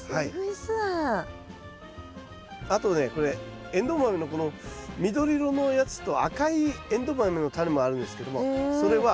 あとねこれエンドウ豆のこの緑色のやつと赤いエンドウ豆のタネもあるんですけどもそれはみつ豆。